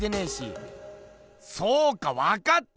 そうかわかった！